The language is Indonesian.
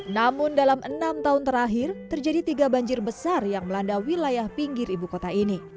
namun dalam enam tahun terakhir terjadi tiga banjir besar yang melanda wilayah pinggir ibu kota ini